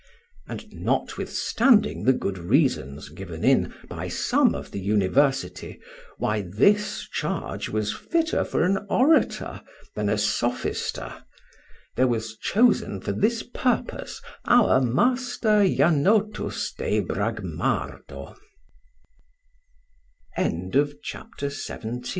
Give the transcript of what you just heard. And notwithstanding the good reasons given in by some of the university why this charge was fitter for an orator than a sophister, there was chosen for this purpose our Master Janotus de Bragmardo. Chapter 1.XVIII.